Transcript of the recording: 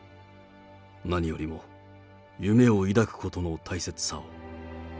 何よりも夢を抱くことの大切さを。